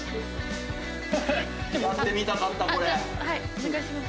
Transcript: お願いします。